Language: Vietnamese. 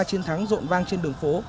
chiến thắng rộn vang trên đường phố